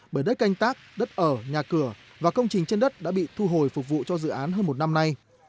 bởi đất canh tác đất ở nhà cửa và công trình trên đất đã bị thu hồi phục vụ cho dự án hơn một năm nay